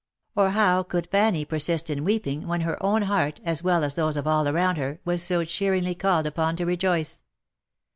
Or how could Fanny persist in weeping, when her own heart, as well as those of all around her, was so cheeringly called upon to rejoice?